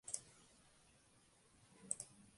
Los frutos maduran de febrero a julio.